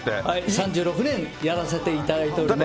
３６年やらせていただいております。